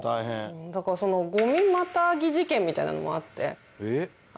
だからゴミまたぎ事件みたいなのもあって。